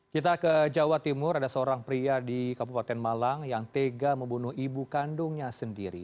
kita ke jawa timur ada seorang pria di kabupaten malang yang tega membunuh ibu kandungnya sendiri